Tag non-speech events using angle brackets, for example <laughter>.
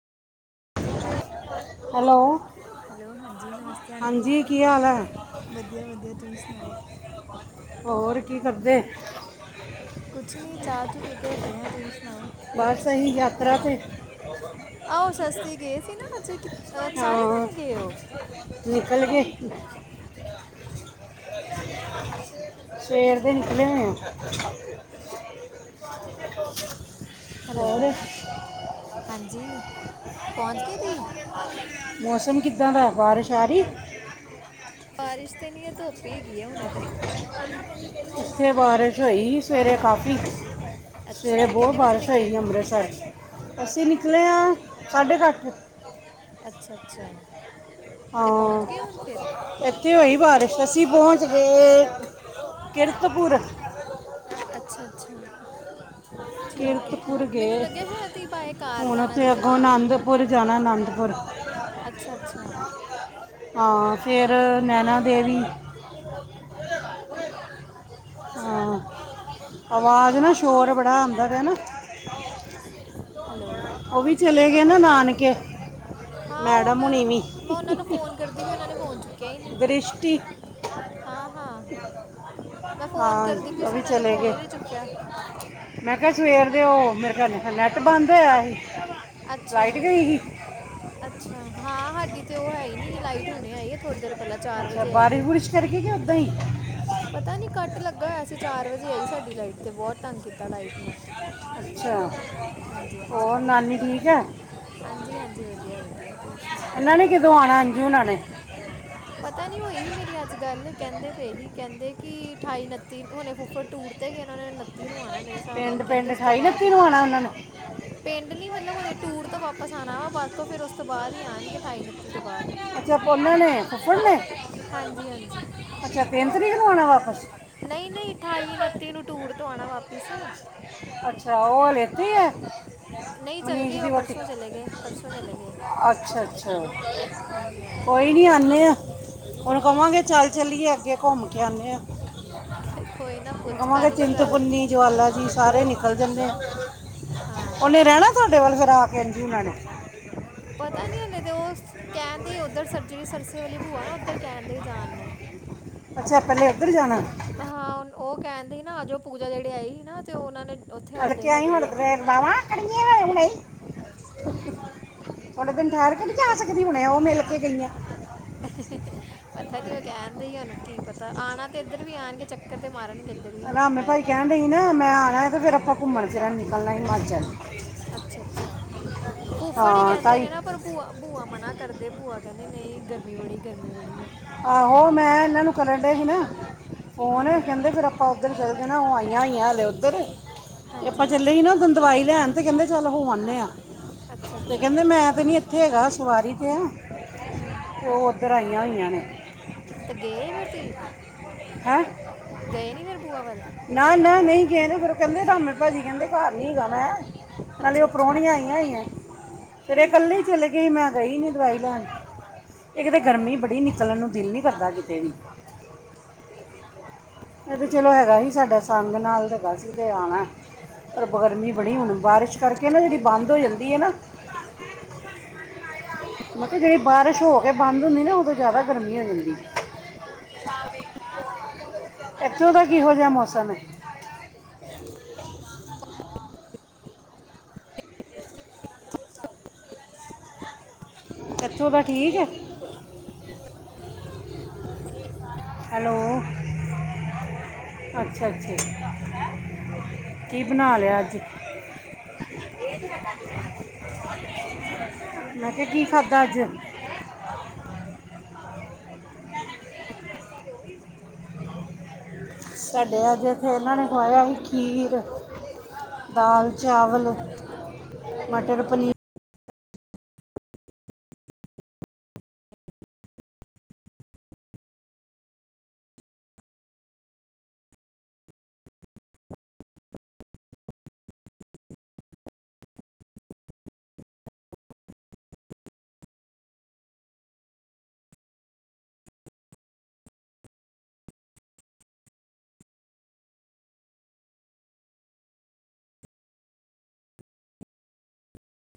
Hello <inaudible> hello ਹਾਂਜੀ ਨਮਸਤੇ aunty, ਹਾਂਜੀ ਕੀ ਹਾਲ ਹੈ ਵਧੀਆ ਵਧੀਆ ਤੁਹੀ ਸੁਣਾਓ। ਹੋਰ ਕੀ ਕਰਦੇ। ਕੁਛ ਨੀ ਚਾਹ ਚੂ ਪੀ ਕੇ ਹਟੇ ਆ, ਤੁਹੀ ਸੁਣਾਓ। ਬੱਸ ਆਹਿ ਯਾਤਰਾ 'ਤੇ। ਆਹੋ ਸਸਤੀ ਗਏ ਸੀ ਨਾ ਅੱਜਹ, ਸਾਰੇ ਹਾਂ, ਜਾਣੇ ਗੇ ਹੋ ਨਿਕਲ ਗਏ ਹੀ ਸਵੇਰ ਦੇ ਨਿਕਲੇ ਹੋਏ ਆ ਹੋਰ ਹੈਲੋ ਹਾਂਜੀ ਪਹੁੰਚ ਗੇ ਤੁਹੀ ਮੌਸਮ ਕਿੱਦਾਂ ਦਾ ਬਾਰਿਸ਼ ਆਰੀ ਬਾਰਿਸ਼ ਤੇ ਨੀ ਹੈ ਧੁੱਪ ਹੀ ਹੈਗੀ ਹੈ ਹੁਣੇ ਤੇ ਇੱਥੇ ਬਾਰਿਸ਼ ਹੋਈ ਈ ਸਵੇਰੇ ਕਾਫੀ ਅੱਛਾ ਸਵੇਰੇ ਅੱਛਾ ਬਹੁ ਕਿੰਨੇ ਵਜੇ ਬਾਰਿਸ਼ ਨਿਕਲੇ ਹੋਈ ਸੀ ਅੰਮ੍ਰਿਤਸਰ ਅਸੀਂ ਨਿਕਲੇ ਆਂ ਸਾਢੇ ਕ ਅੱਠ ਅੱਛਾ, ਅੱਛਾ ਤੇ ਪਹੁੰਚ ਹਾਂ ਗਏ ਹੁਣ ਫਿਰ ਇੱਥੇ ਹੋਈ ਬਾਰਿਸ਼ ਅਸੀਂ ਪਹੁੰਚ ਗਏ ਕੀਰਤਪੁਰ। ਅੱਛਾ ਅੱਛਾ। ਠੀਕ ਹੈ ਠੀਕ ਕਿਰਤਪੁਰ ਹੈ ਮੈਨੂੰ ਗਏ ਲੱਗਿਆ ਸ਼ਾਇਦ ਤੁਸੀਂ ਬਾਏ ਕਾਰ ਹੁਣ ਜਾਣਾ ਉੱਥੇ ਜਿਵੇਂ ਅੱਗੋਂ ਤੁਸੀਂ। ਆਨੰਦਪੁਰ ਜਾਣਾ ਆਨੰਦਪੁਰ ਅੱਛਾ ਅੱਛਾ। ਹਾਂ ਫਿਰ ਨੈਣਾ ਦੇਵੀ। ਹਾਂ ਆਵਾਜ਼ ਨਾ ਸ਼ੋਰ ਬੜਾ ਆਉਂਦਾ ਪਿਆ। ਹੈਲੋ ਉਹ ਵੀ ਚਲੇ ਗਏ ਨਾ ਨਾਨਕੇ। ਹਾਂ ਉਹ ਮੈਡਮ ਮੈਂ ਹੁਣੀ ਵੀ ਉਹਨਾਂ ਨੂੰ ਫੋਨ ਕਰਦੀ ਪਈ ਸੀ ਉਹਨਾਂ ਨੇ ਫੋਨ ਚੁੱਕਿਆ ਹੀ ਨਹੀਂ। ਦ੍ਰਿਸ਼ਟੀ ਹਾਂ ਹਾਂ ਮੈਂ ਫੋਨ ਹਾਂ ਕਰਦੀ ਪਈ ਉਹ ਸੀ ਵੀ ਉਹਨਾਂ ਨੇ ਚਲੇ ਫੋਨ ਗਏ ਹੀ ਨਹੀਂ ਚੁੱਕਿਆ। ਮੈਂ ਕਿਹਾ ਸਵੇਰ ਦੇ ਉਹ ਮੇਰੇ ਖਿਆਲ ਨੈੱਟ ਬੰਦ ਹੋਇਆ ਸੀ। ਅੱਛਾ ਲਾਈਟ ਗਈ ਸੀ ਅੱਛਾ ਹਾਂ ਸਾਡੀ ਤੇ ਉਹ ਹੈ ਹੀ ਨੀ ਲਾਈਟ ਹੁਣੇ ਆਈ। ਉਧਰ ਪਹਿਲਾਂ ਚਾਰ ਅੱਛਾ ਵਜੇ ਆਈ ਬਾਰਿਸ਼ ਹ। ਬੁਰਿਸ਼ ਕਰਕੇ ਕਿ ਉਦਾਂ ਹੀ ਪਤਾ ਨੀ ਕੱਟ ਲੱਗਾ ਹੋਇਆ ਸੀਂ ਚਾਰ ਵਜੇ ਆਈ ਸਾਡੀ ਲਾਈਟ ਤੇ ਬਹੁਤ ਤੰਗ ਕੀਤਾ ਹੋਇਆ ਸੀ ਲਾਈਟ ਨੇ। ਅੱਛਾ। ਹਾਂਜੀ ਹਾਂਜੀ ਹੋਰ ਨਾਨੀ ਠੀਕ ਹੈ ਹਾਂਜੀ ਹਾਂਜੀ ਵਧੀਆ ਵਧੀਆ ਤੁਸੀਂ ਸੁਣਾਓ। ਇਹਨਾਂ ਨੇ ਕਦੋਂ ਆਉਣਾ ਅੰਜੂ ਉਹਨਾਂ ਨੇ। ਪਤਾ ਨੀ ਹੋਈ ਹੀ ਮੇਰੀ ਅੱਜ ਗੱਲ ਕਹਿੰਦੇ ਪਏ ਹੀ ਕਹਿੰਦੇ ਕਿ ਅਠਾਈ ਓਨਤੀ ਹੁਣੇ ਫੁੱਫੜ ਟੂਰ ਤੇ। ਤੇ ਗਏ ਓਹਨਾ ਨੇ ਉੱਨਤੀ ਨੂੰ ਆਉਣਾ ਮੇਰੇ ਹਿਸਾਬ ਨਾਲ ਪਿੰਡ ਕਹਿੰਦੇ ਪਿੰਡ ਉਸ ਤੋਂ ਬਾਅਦ ਹੀ। ਨੂੰ ਆਣਾ ਉਹਨਾਂ ਨੇ ਪਿੰਡ ਨੀ ਮਤਲਬ ਹੁਣੇ ਟੂਰ ਤੋਂ ਵਾਪਿਸ ਆਉਣਾ ਵਾ ਬਾਕ ਫਿਰ ਉਸ ਤੋਂ ਬਾਅਦ ਹੀ ਆਣਗੇ ਅਠਾਈ ਉਨੱਤੀ ਤੋਂ ਬਾਅਦ ਹੀ। ਅੱਛਾ ਓਹਨਾ ਨੇ ਫੁੱਫੜ ਨੇ। ਹਾਂਜੀ ਹਾਂਜੀ। ਅੱਛਾ ਤਿੰਨ ਤਰੀਕ ਨੂੰ ਆਉਣਾ ਵਾਪਿਸ। ਨਹੀਂ ਨਹੀਂ ਠਾਈ ਨੱਤੀ ਨੂੰ ਟੂਰ ਤੋਂ ਆਉਣਾ ਵਾਪਿਸ। ਅੱਛਾ ਉਹ ਹਾਲੇ ਏਤੀ ਹੈ। <inaudible> ਮਨੀਸ਼ ਗਏ ਦੀ ਉਹ ਵਹੁਟੀ ਪਰਸੋਂ ਚਲੇ ਗਏ ਪਰਸੋਂ ਚਲੇ ਗਏ ਅੱਛਾ ਅੱਛਾ ਹਾਂਜੀ ਕੋਈ ਨੀ। ਹਾਂਜੀ ਨਹੀਂ ਆਉਂਦੇ ੳਹਨੂੰ ਕਵਾਂਗੇ ਚੱਲ ਚੱਲੀਏ ਅੱਗੇ ਘੁੰਮ ਕੇ ਆਉਂਦੇ ਆਂ। ਕੋਈ ਨਾ ਪੁੱਛ ਕਰ ਲਿਓ ਗੱਲ। ਚਿੰਤਪੁਰਨੀ ਜਵਾਲਾ ਜੀ ਸਾਰੇ ਨਿਕਲ ਜਾਂਦੇ ਹਾਂ ਉਹਨੇ ਰਹਿਣਾ। ਤੁਹਾਡੇ ਵੱਲ ਫੇਰ ਆ ਕੇ ਅੰਜੂ ਉਨਾਂ ਨੇ। ਪਤਾ ਨੀ ਹਲੇ ਤੇ ਉਹ ਕਹਿਣ ਦੇ ਉੱਧਰ ਜਿਹੜੀ ਸਰਸੇ ਵਾਲੀ ਭੂਆ ਨਾ ਉੱਧਰ ਕਹਿਣ ਦੇ ਜਾਣ ਨੂੰ। ਅੱਛਾ ਪਹਿਲੇ ਉੱਧਰ ਜਾਣਾ। ਹਾਂ ਉਹ ਕਹਿਣ ਦੀ ਸੀ ਨਾ ਅੱਜ ਉਹ ਪੂਜਾ ਜਿਹੜੇ ਆਈ ਸੀ ਨਾ ਤੇ ਉਹਨਾਂ ਨੇ। ਉੱਥੇ ਹਲੇ ਹੈਗੇ ਆ ਅਕਈੜਦਾ ਵਾਂ ਕਿੜਨ ਥੋੜੇ ਦਿਨ ਠਹਿਰ ਕੇ ਨਹੀਂ ਜਾ ਸਕਦੀ ਹੁਣੇ ਓ ਮਿਲ ਕੇ ਗਈ ਹ। <inaudible> ਪਤਾ ਨੀ ਉਹ ਕਹਿਣ ਦੇਈ ਉਹਨੂੰ ਕੀ ਪਤਾ ਆਉਣਾ ਤੇ ਇੱਧਰ ਵੀ ਆਉਣਗੇ ਚੱਕਰ ਤੇ ਮਾਰਨਗੇ ਇੱਧਰ ਵੀ ਆਏ ਤੇ। ਨਹੀਂ ਨਾ ਮੈਂ ਆਉਣਾ ਤੇ ਫੇਰ ਆਪਾਂ ਘੁੰਮਣ ਫਿਰ ਨਿਕਲਣਾ ਹਿਮਾਚਲ। ਅੱਛਾ ਅੱਛਾ ਫੁਫੜ ਹੀ ਹਾਂ ਕਹਿੰਦੇ ਨੇ ਤਾਈ ਨਾ ਪਰ ਭੂਆ। ਭੂਆ ਮਨਾ ਕਰਦੇ ਭੂਆ ਕਹਿੰਦੇ ਨਈ ਗਰਮੀ ਬੜੀ ਗਰਮੀ ਬੜੀ ਹੈ। ਆਹੋ ਮੈਂ ਇਹਨਾਂ ਨੂੰ ਕਰਨਡੇ ਹੀ ਨਾ। ਫੋਨ ਹੈ ਹੂੰ ਹੂੰ ਕਹਿੰਦੇ ਫਿਰ ਆਪਾਂ ਉੱਧਰ ਚਲੇ ਜਾਣਾ ੳਹ ਆਈਆਂ ਹੋਈਆਂ ਹਲੇ ਉੱਧਰ। ਆਪਾਂ ਹਾਂਜੀ ਚੱਲੇ ਹੀ ਨਾ ਦਵਾਈ ਲੈਣ ਤੇ ਕਹਿੰਦੇ ਚੱਲ ਹੋ ਆਨੇ ਆ। ਅੱਛਾ ਤੇ ਅੱਛਾ ਕਹਿੰਦੇ ਮੈਂ ਤੇ ਨੀ ਇੱਥੇ ਹੈਗਾ ਸਵਾਰੀ ਤੇ ਆ। ਹਾਂ। ਤੇ ਉਹ ਉੱਧਰ ਆਈਆਂ ਹੋਈਆਂ ਨੇ। ਤੇ ਗਏ ਫੇਰ ਤੁਸੀਂ ਹੈ ਗਏ ਨੀ ਫੇਰ ਬੂਆ ਵੱਲ। ਨਾ ਨਾ ਨਹੀਂ ਗਏ ੳਹ ਫਿਰ ਕਹਿੰਦੇ ਰਾਮੇ ਭਾਜੀ ਕਹਿੰਦੇ ਘਰ ਨਹੀਂ ਹੈਗਾ ਮੈਂ। ਨਾਲੇ ਅੱਛਾ ਉਹ ਅੱਛਾ ਪ੍ਰਾਹਣੀਆਂ ਆਈਆਂ ਹੋਈਆਂ। ਫਿਰ ਇਹ ਕੱਲੇ ਚਲੇ ਗਈ ਮੈਂ ਗਈ ਨੀ ਦਵਾਈ ਲੈਣ ਇੱਕ ਤਾਂ ਗਰਮੀ ਬੜੀ ਨਿਕੀ। ਚੱਲਣ ਨੂੰ ਦਿਲ ਨਹੀਂ ਕਰਦਾ ਕਿਤੇ ਵੀ। ਇਹ ਤੇ ਚਲੋ ਹੈਗਾ ਸੀ ਸਾਡਾ ਸੰਗ ਨਾਲ ਤੇ ਬਸੀ ਤੇ ਆਣਾ। ਪਰ ਗਰਮੀ ਬੜੀ ਹੁਣ ਬਾਰਿਸ਼ ਕਰਕੇ ਨਾ ਜਿਹੜੀ ਬੰਦ ਹੋ ਜਾਂਦੀ ਐ ਨਾ। ਮਤਲਬ ਜਿਹੜੀ ਬਾਰਿਸ਼ ਹੋ ਕੇ ਬੰਦ ਹੁੰਦੀ ਨਾ ਉਹਦੇ ਜ਼ਿਆਦਾ ਗਰਮੀ ਹੋ ਜਾਂਦੀ ਏ। ਇੱਥੋਂ ਦਾ ਕਿਹੋ ਜਿਹਾ ਮੌਸਮ ਐ? ਇੱਥੋਂ ਦਾ ਠੀਕ ਆ? ਹੈਲੋ, ਅੱਛਾ ਅੱਛਾ ਕੀ ਬਣਾ ਲਿਆ ਅੱਜ? ਤੇ ਕੀ ਖਾਧਾ ਅੱਜ? ਸਾਡੇ ਅੱਜ ਇਹਨਾਂ ਨੇ ਖਵਾਇਆ ਸੀ ਖੀਰ। ਦਾਲ, ਚਾਵਲ, ਮਟਰ-ਪਨੀਰ।